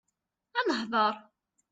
Ad nehḍeṛ.